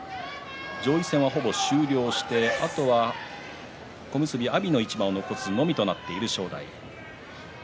上位戦はほぼ終了して、あとは小結、阿炎一番を残すのみとなっています。